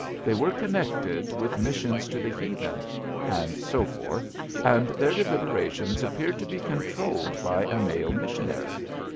They were con nected with missions to the heathen, and so forth, and their deliberations appeared to be controlled by a male missionary.